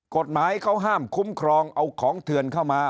กฎหมายเขาห้ามคุ้มครองเอาของเถื่อนเข้ามา